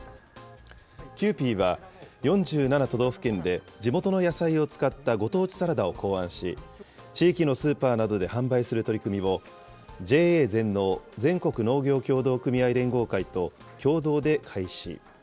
キユーピーは、４７都道府県で地元の野菜を使ったご当地サラダを考案し、地域のスーパーなどで販売する取り組みを、ＪＡ全農・全国農業協同組合連合会と共同で開始。